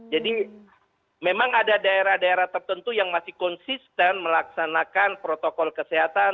jadi memang ada daerah daerah tertentu yang masih konsisten melaksanakan protokol kesehatan